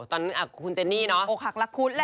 ตอนนั้นคุณเจนี่เนอะโอ้ขักลักพุทธแหละ